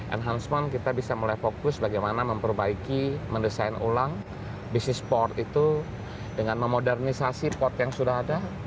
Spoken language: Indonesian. enhancement kita bisa mulai fokus bagaimana memperbaiki mendesain ulang bisnis sport itu dengan memodernisasi port yang sudah ada